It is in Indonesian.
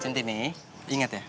cinti nih inget ya